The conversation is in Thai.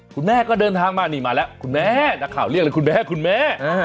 คุณแม่ก็เดินทางมานี่มาแล้วคุณแม่นักข่าวเรียกเลยคุณแม่คุณแม่